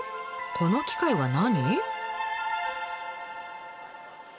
この機械は何？